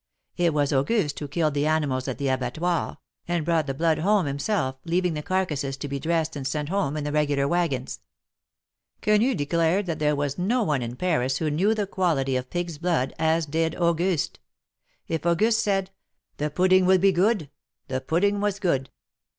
It was Auguste who killed the animals at the abattoir, and brought the blood home him self, leaving the carcasses to be dressed and sent home in the regular wagons. Quenu declared that there was no one in Paris who knew the quality of pig's blood as did Auguste. If Auguste said :" The pudding will be good," the pudding was good.